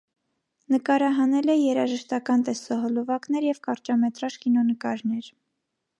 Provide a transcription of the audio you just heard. Նկարահանել է երաժշտական տեսահոլովակներ և կարճամետրաժ կինոնկարներ։